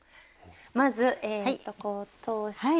まずえっとこう通して。